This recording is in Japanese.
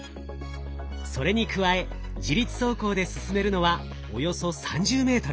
それに加え自律走行で進めるのはおよそ３０ｍ。